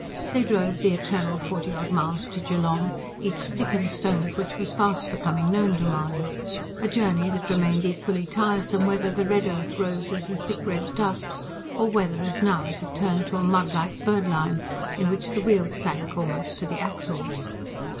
They drove the eternal forty odd miles to Geelong, each stick and stone of which was fast becoming known to Mahony; a journey that remained equally tiresome whether the red earth rose as a thick red dust, or whether as now it had turned to a mud like birdlime in which the wheels sank almost to the axles.